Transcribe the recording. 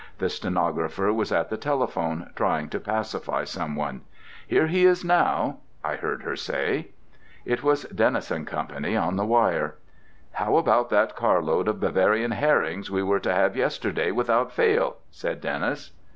The stenographer was at the telephone, trying to pacify someone. "Here he is now," I heard her say. It was Dennis & Company on the wire. "How about that carload of Bavarian herrings we were to have yesterday without fail?" said Dennis.